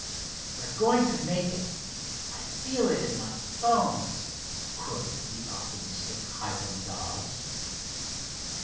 "We're going to make it—I feel it in my bones!" crowed the optimistic Hiram Dobbs.